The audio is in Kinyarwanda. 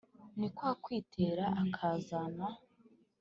ni kwa kwitera akazana